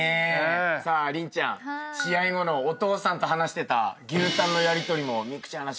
さあ麟ちゃん試合後のお父さんと話してた牛タンのやりとりも美空ちゃんらしくてよかったっすね。